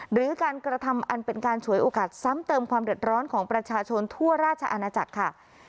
หรือการกระทำอันเป็นการฉวยโอกาสซ้ำเติมความเดือดร้อนของประชาชนทั่วราชอาณาจักรค่ะ